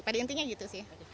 pada intinya gitu sih